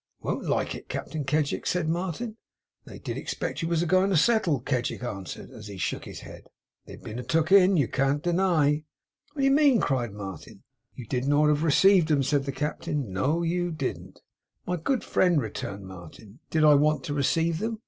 'Won't like it, Captain Kedgick!' said Martin. 'They did expect you was a going to settle,' Kedgick answered, as he shook his head. 'They've been took in, you can't deny!' 'What do you mean?' cried Martin. 'You didn't ought to have received 'em,' said the Captain. 'No you didn't!' 'My good friend,' returned Martin, 'did I want to receive them?